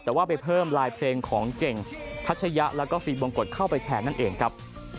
แต่ว่าไปเพิ่มลายเพลงของเก่งทัชยะแล้วก็ฟิล์บงกฎเข้าไปแทนนั่นเองครับ